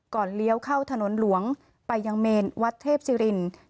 ก่อนเลี่ยวเข้าถนนหลวงไปยังเมนวัดเทพศรีรินทราวาส